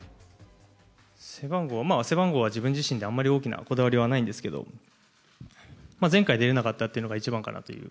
背番号、まあ、背番号は自分自身であんまり大きなこだわりはないんですけど、前回出れなかったというのが一番かなと。